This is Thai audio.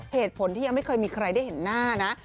เหตุผลที่ยังไม่เคยมีใครได้เห็นหน้านะ